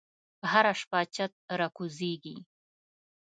هره شپه چت راکوزیږې